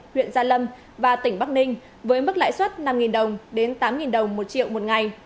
huyện gia lâm và tỉnh bắc ninh với mức lãi suất năm đồng đến tám đồng một triệu một ngày